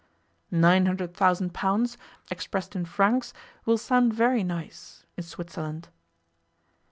'Nine hundred thousand pounds, expressed in francs, will sound very nice in Switzerland.